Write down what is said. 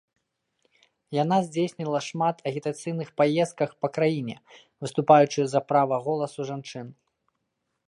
Яна здзейсніла шмат агітацыйных паездках па краіне, выступаючы за права голасу жанчын.